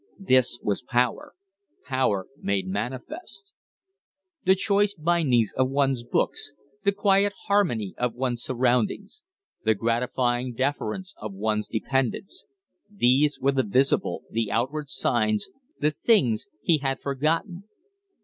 This was power power made manifest. The choice bindings of one's books, the quiet harmony of one's surroundings, the gratifying deference of one's dependants these were the visible, the outward signs, the things he had forgotten.